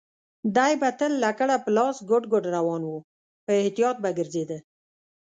دی به تل لکړه په لاس ګوډ ګوډ روان و، په احتیاط به ګرځېده.